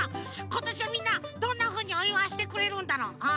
ことしはみんなどんなふうにおいわいしてくれるんだろう。